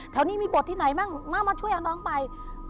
แถวนี้มีโบสต์ที่ไหนมั้งมามาช่วยอาหารน้องไป